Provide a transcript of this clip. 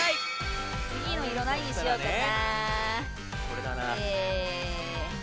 次の色、なんにしようかな。